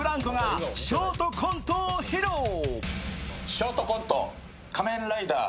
ショートコント「仮面ライダー」。